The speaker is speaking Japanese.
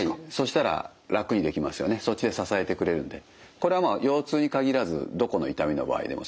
これはまあ腰痛に限らずどこの痛みの場合でもそうですよね。